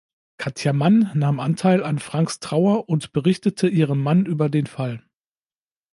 Katia Mann nahm Anteil an Franks Trauer und berichtete ihrem Mann über den Fall.